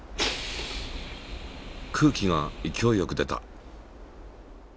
空気が勢いよく出た。